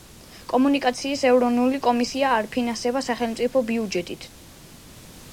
კომუნიკაციების ეროვნული კომისია არ ფინანსდება სახელმწიფო ბიუჯეტით.